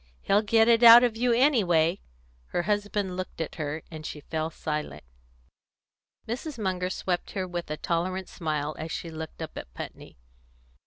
"He'll get it out of you anyway." Her husband looked at her, and she fell silent. Mrs. Munger swept her with a tolerant smile as she looked up at Putney.